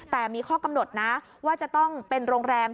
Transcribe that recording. แต่มีข้อกำหนดนะว่าจะต้องเป็นโรงแรม